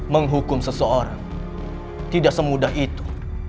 menghukum seseorang tidak semudah itu